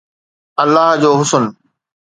الله جو حسن